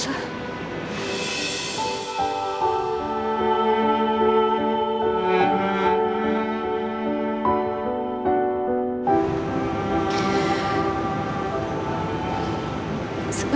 sebagai sesama seorang ibu